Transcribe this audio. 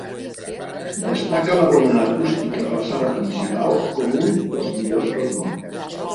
Destaca la bona acústica de la sala principal com un dels millors del món.